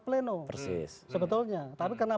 pleno sebetulnya tapi karena